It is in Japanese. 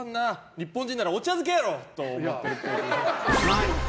日本人ならお茶漬けやろ！と思ってるっぽい。